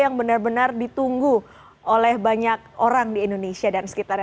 yang benar benar ditunggu oleh banyak orang di indonesia dan sekitarnya